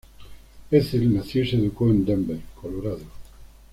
Ethel nació y se educó en Denver, Colorado.